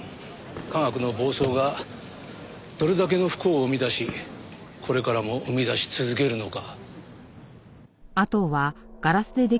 科学の暴走がどれだけの不幸を生み出しこれからも生み出し続けるのか。